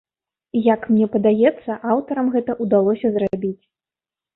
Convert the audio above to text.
І як мне падаецца, аўтарам гэта ўдалося зрабіць.